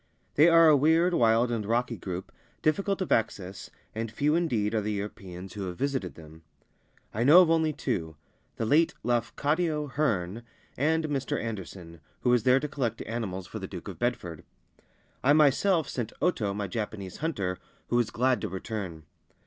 They are a weird, wild, and rocky group, difficult of access, and few indeed are the Europeans who have visited them. I know of only two — the late Lafcadio Hearn and Mr. Anderson (who was there to collect animals for the Duke of Bedford). I myself sent Oto, my Japanese hunter, who was glad to return.